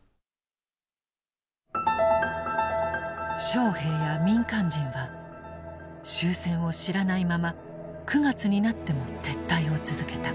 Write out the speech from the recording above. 将兵や民間人は終戦を知らないまま９月になっても撤退を続けた。